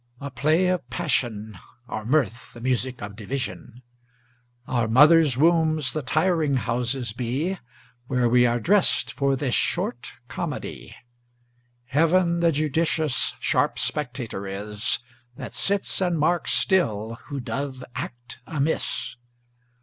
A play of passion, Our mirth the music of division, Our mother's wombs the tiring houses be, Where we are dressed for this short comedy. Heaven the judicious sharp spectator is, That sits and marks still who doth act amiss.